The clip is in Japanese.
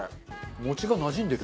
餅がなじんでる。